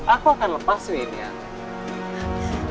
aku akan lepasin nian